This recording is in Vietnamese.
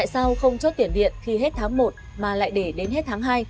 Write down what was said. sao không chốt tiền điện khi hết tháng một mà lại để đến hết tháng hai